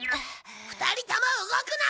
２人とも動くな。